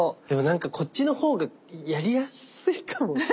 でも何かこっちの方がやりやすいかも。